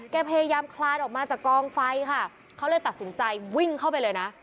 พยายามคลานออกมาจากกองไฟค่ะเขาเลยตัดสินใจวิ่งเข้าไปเลยนะ